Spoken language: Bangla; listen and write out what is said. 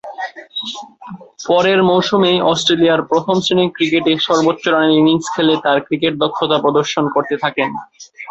পরের মৌসুমেই অস্ট্রেলিয়ার প্রথম-শ্রেণীর ক্রিকেটে সর্বোচ্চ রানের ইনিংস খেলে তার ক্রিকেট দক্ষতা প্রদর্শন করতে থাকেন।